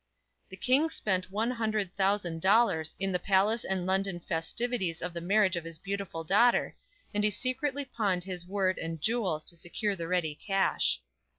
The King spent one hundred thousand dollars in the palace and London festivities of the marriage of his beautiful daughter, and he secretly pawned his word and jewels to secure the ready cash.